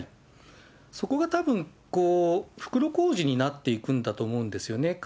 そこがたぶんこう、袋小路になっていくんだと思うんですよね。